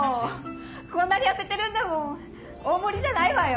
こんなに痩せてるんだもん大盛りじゃないわよ。